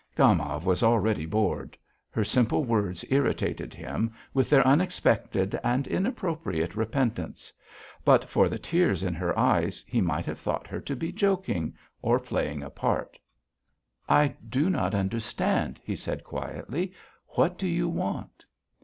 Gomov was already bored; her simple words irritated him with their unexpected and inappropriate repentance; but for the tears in her eyes he might have thought her to be joking or playing a part. "I do not understand," he said quietly. "What do you want?"